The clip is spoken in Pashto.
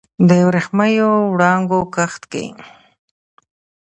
د وریښمېو وړانګو کښت کې